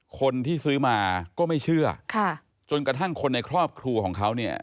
คนที่ซื้อมาก็ไม่เชื่อค่ะจนกระทั่งคนในครอบครัวของเขาเนี่ย